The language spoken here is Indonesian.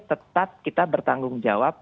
tetap kita bertanggung jawab